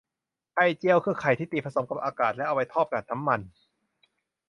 ไข่เจียว คือไข่ที่ตีผสมกับอากาศ แล้วเอาไปทอดกับน้ำมัน